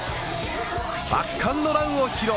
圧巻のランを披露。